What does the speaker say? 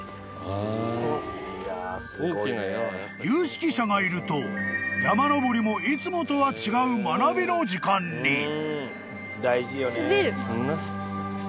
［有識者がいると山登りもいつもとは違う学びの時間に］